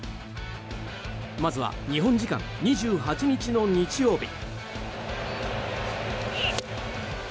まずは日本時間２８日の日曜日。